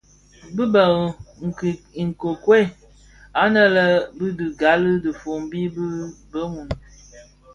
Bi bë nkikuel, anë a dhi bi ghali dhifombi di bëmun.